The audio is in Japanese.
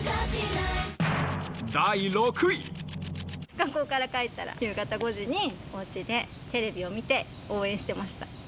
学校から帰ったら夕方５時に、おうちでテレビを見て、応援してました。